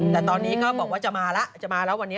แต่ตอนนี้ก็บอกว่าจะมาแล้วจะมาแล้ววันนี้